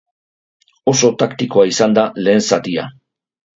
Oso taktikoa izan da lehen zatia.